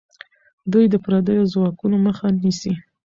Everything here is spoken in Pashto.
دوی د پردیو ځواکونو مخه نیسي.